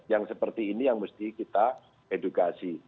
yang seperti ini yang mesti kita edukasi